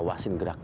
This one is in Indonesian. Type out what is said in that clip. mau liat gak